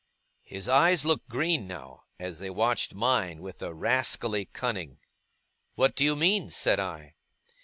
His eyes looked green now, as they watched mine with a rascally cunning. 'What do you mean?' said I.